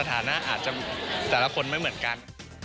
ยังไม่มีเลยครับ